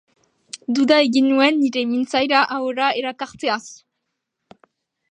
Duda egin nuen nire mintzaira ahora ekartzeaz.